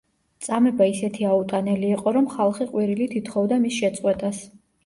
წამება ისეთი აუტანელი იყო, რომ ხალხი ყვირილით ითხოვდა მის შეწყვეტას.